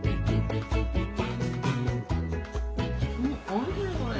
おいしいこれ。